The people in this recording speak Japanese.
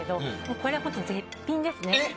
これは本当、絶品ですね。